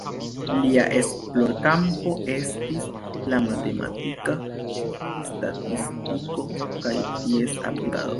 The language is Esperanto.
Lia esplorkampo estis la matematika statistiko kaj ties aplikado.